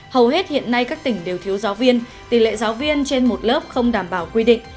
hầu hết hiện nay các tỉnh đều thiếu giáo viên tỷ lệ giáo viên trên một lớp không đảm bảo quy định